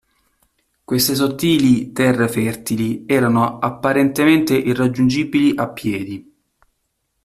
Queste sottili terre fertili erano apparentemente irraggiungibili a piedi.